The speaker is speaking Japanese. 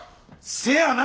せやな！